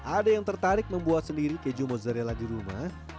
ada yang tertarik membuat sendiri keju mozzarella di rumah